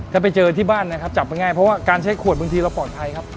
ถ้าไปเจอที่บ้านนะครับจับง่ายเพราะว่าการใช้ขวดบางทีเราปลอดภัยครับ